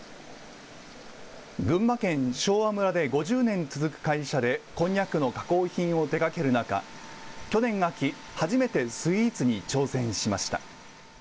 群馬県昭和村で５０年続く会社でこんにゃくの加工品を手がける中、去年秋、初めてスイーツに挑戦しました。